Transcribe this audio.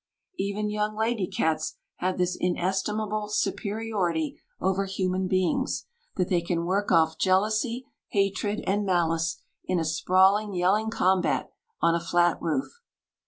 Even young lady cats have this inestimable superiority over human beings, that they can work off jealousy, hatred, and malice in a sprawling, yelling combat on a flat roof.